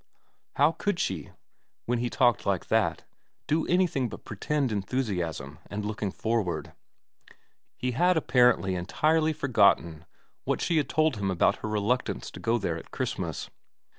How could she, when he talked like that, do anything but pretend enthusiasm and looking forward ? He had apparently entirely forgotten what she had told him about her reluctance to go there at Christmas.